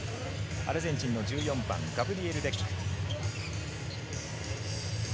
アルゼンチン１４番のガブリエル・デック。